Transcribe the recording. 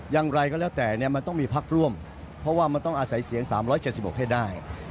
อย่างไรก็แล้วแต่มันต้องมีพักร่วมเพราะว่ามันต้องอาศัยเสียง๓๗๖ให้ได้